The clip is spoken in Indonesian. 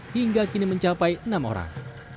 hingga kini mencapai enam orang